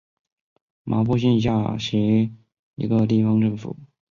麻坡县内下辖一个地方政府。